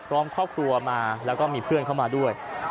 ครอบครัวมาแล้วก็มีเพื่อนเข้ามาด้วย